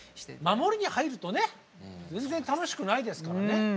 守りに入るとね全然楽しくないですからね。